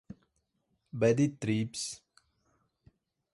bad-trips